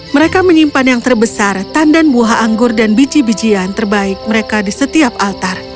mereka menyimpan yang terbesar tandan buah anggur dan biji bijian terbaik mereka di setiap altar